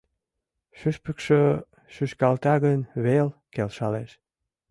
Шӱшпыкшӧ шӱшкалта гын вел келшалеш.